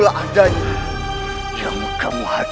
badan b monster